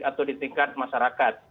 atau di tingkat masyarakat